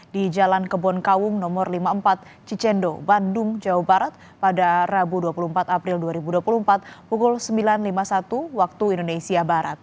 di jalan kebonkawung no lima puluh empat cicendo bandung jawa barat pada rabu dua puluh empat april dua ribu dua puluh empat pukul sembilan lima puluh satu waktu indonesia barat